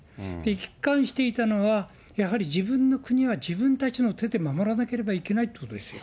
一貫していたのは、やっぱり自分の国は自分たちの手で守らなければいけないっていうことですよ。